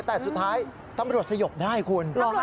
แต่สุดท้ายตำรวจสยบได้ใช่ไหม